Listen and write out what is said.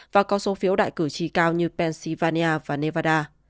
và có số phiếu đại cử tri cao như pennsylvania và nevada